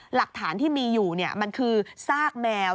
หลักฐานที่มีอยู่มันคือซากแมว